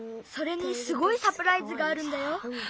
それにすごいサプライズがあるんだよ。